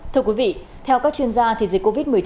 thưa quý vị theo các chuyên gia dịch covid một mươi chín